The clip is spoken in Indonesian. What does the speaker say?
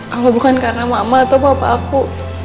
kalau bukan karena mama atau papa aku